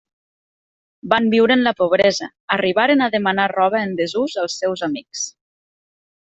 Van viure en la pobresa: arribaren a demanar roba en desús als seus amics.